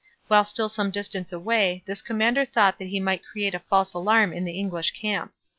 While still some distance away this commander thought that he might create a false alarm in the English camp.